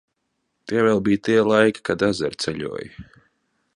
Tie vēl bija tie laiki, kad ezeri ceļoja.